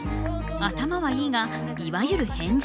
頭はいいがいわゆる変人。